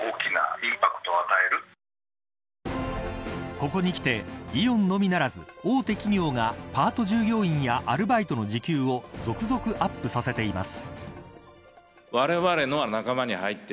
ここにきてイオンのみならず大手企業がパート従業員やアルバイトの時給を続々、アップさせています。